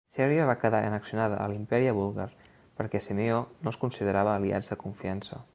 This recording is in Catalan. Sèrbia va quedar annexionada a l'Imperi Búlgar, perquè Simeó no els considerava aliats de confiança.